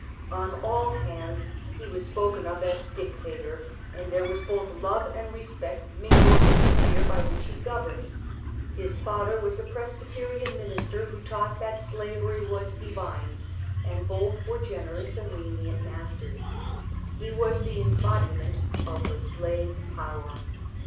On all hands he was spoken of as Dictator, and there was both love and respect mingled with the fear by which he governed. His father was a Presbyterian The Minnesota Dictatoe. 173 miuister, who taught that slavery was divine, and both were generous and lenient masters. He was the em bodiment of the slave j)ower.